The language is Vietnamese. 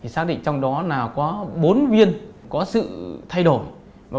xác định trong đó có bốn viên có sự thay đổi